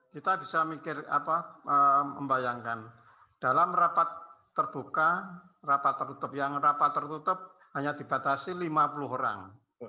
kita bisa mikir apa membayangkan dalam rapat terbuka rapat tertutup yang rapat tertutup hanya dibatasi lima puluh orang